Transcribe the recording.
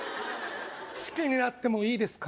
好きになってもいいですか？